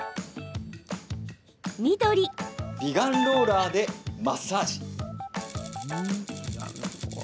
美顔ローラーでマッサージ。